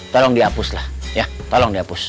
tolong dihapus lah ya tolong dihapus